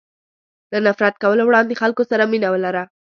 له نفرت کولو وړاندې خلکو سره مینه ولره.